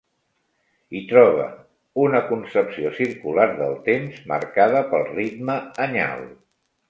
Hi trobe un concepció circular del temps marcada pel ritme anyal.